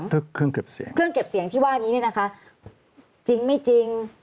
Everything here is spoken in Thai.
ตัวเก็บเสียงเครื่องเก็บเสียงที่ว่าอย่างนี้นะคะจริงไม่จริง